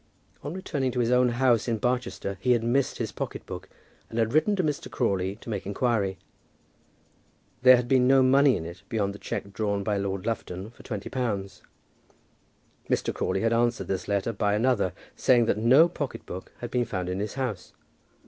On returning to his own house in Barchester he had missed his pocket book, and had written to Mr. Crawley to make inquiry. There had been no money in it, beyond the cheque drawn by Lord Lufton for twenty pounds. Mr. Crawley had answered this letter by another, saying that no pocket book had been found in his house.